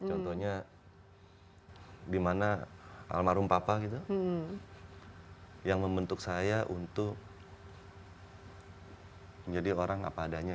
contohnya dimana almarhum papa gitu yang membentuk saya untuk menjadi orang apa adanya